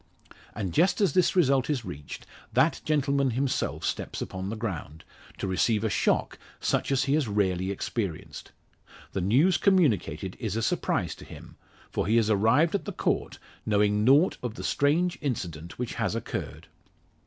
And just as this result is reached, that gentleman himself steps upon the ground, to receive a shock such as he has rarely experienced. The news communicated is a surprise to him; for he has arrived at the Court, knowing nought of the strange incident which has occurred.